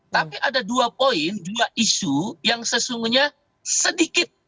tapi ada dua poin dua isu yang sesungguhnya sedikit